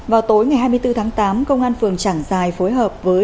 vào tối ngày hai mươi bốn tháng tám công an phường trảng giài phối hợp với